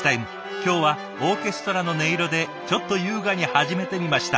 今日はオーケストラの音色でちょっと優雅に始めてみました。